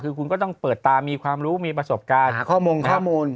คือคุณก็ต้องเปิดตามีความรู้มีประสบการณ์ข้อมูล